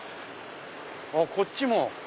あっこっちも！